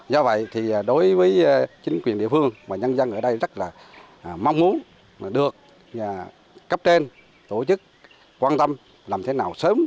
do vậy thì đối với chính quyền địa phương và nhân dân ở đây rất là mong muốn được cấp trên tổ chức quan tâm làm thế nào sớm